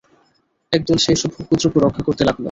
একদল সেই সব ভোগ্যদ্রব্য রক্ষা করতে লাগল।